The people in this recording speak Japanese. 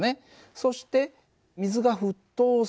そして水が沸騰する温度